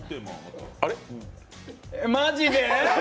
マジで？